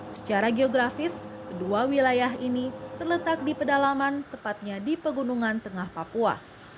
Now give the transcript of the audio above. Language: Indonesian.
secara geografis kedua wilayah ini terletak di pedalaman tepatnya di pegunungan tengah papua